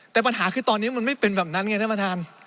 แต่ปัญหาคือตอนนี้มันไม่เป็นแบบนั้นไงท่านประธาน